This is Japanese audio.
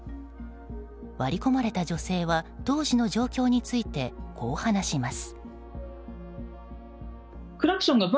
割り込まれた女性は当時の状況についてこう話します。